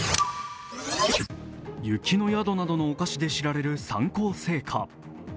雪の宿などのお菓子で知られる三幸製菓。